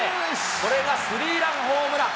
これがスリーランホームラン。